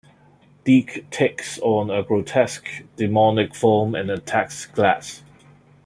Deke takes on a grotesque demonic form and attacks Glas.